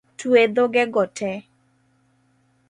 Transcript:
Twe dhoge go tee